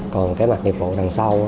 còn cái mặt nghiệp vụ đằng sau